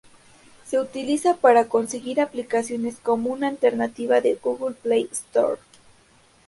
Se utiliza para conseguir aplicaciones como una alternativa a Google Play Store.